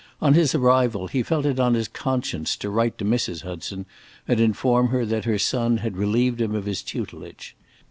On his arrival, he felt it on his conscience to write to Mrs. Hudson and inform her that her son had relieved him of his tutelage.